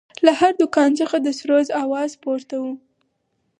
له هر دوکان څخه د سروذ اواز پورته و.